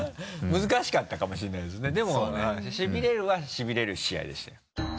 難しかったかもしれないですねでもしびれるはしびれる試合でしたよ